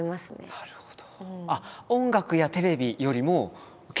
なるほど。